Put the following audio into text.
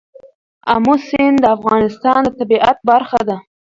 آمو سیند د افغانستان د طبیعت برخه ده.